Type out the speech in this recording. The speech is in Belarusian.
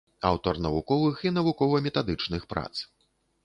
Аўтар навуковых і навукова-метадычных прац.